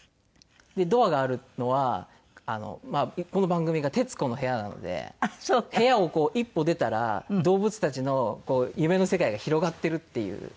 ドアがあるのはこの番組が『徹子の部屋』なので部屋をこう一歩出たら動物たちの夢の世界が広がってるっていう。